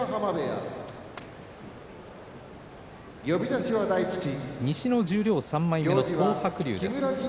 柝きの音西の十両３枚目の東白龍です。